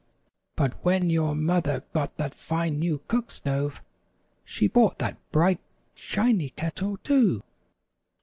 "But when your mother got that fine new cook stove, she bought that bright, shiny Kettle, too.